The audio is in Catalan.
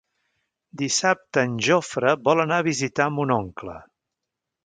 Dissabte en Jofre vol anar a visitar mon oncle.